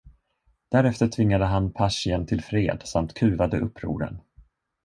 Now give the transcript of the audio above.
Därefter tvingade han Persien till fred samt kuvade upproren.